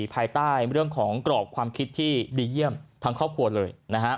ภายใต้เรื่องของกรอบความคิดที่ดีเยี่ยมทั้งครอบครัวเลย